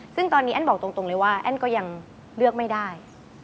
ซึ่งตอนนี้แอ้นบอกตรงเลยว่าแอ้นก็ยังเลือกไม่ได้